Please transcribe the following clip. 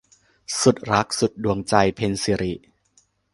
สุดรักสุดดวงใจ - เพ็ญศิริ